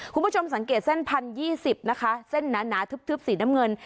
คุณผู้ชมสังเกตเส้นพันยี่สิบนะคะเส้นหนาทึบสีน้ำเงิน